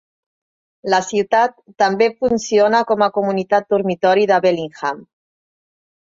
La ciutat també funciona com a comunitat dormitori de Bellingham.